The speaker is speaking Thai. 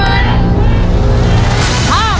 ปล่อยเร็วเร็ว